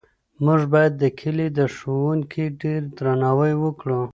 موږ باید د کلي د ښوونکي ډېر درناوی وکړو.